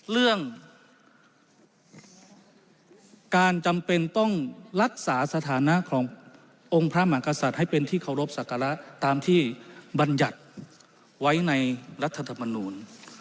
เรื่องการจำเป็นต้องรักษาสถานะขององค์พระมหากษัตริย์ให้เป็นที่เคารพสักการะตามที่บรรยัติไว้ในรัฐธรรมนูล